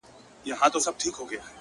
شاعر او شاعره-